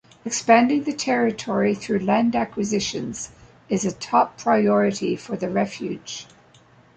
Expanding the territory through land acquisitions is a top priority for the refuge.